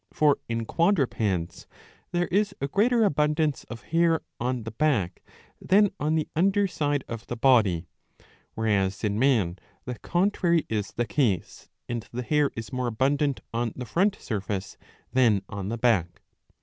For in quadrupeds there is a greater abundance of hair on the back than on the under side of the body ; whereas in man the contrary is the case, and the hair is more abundant on the front surface than on the back.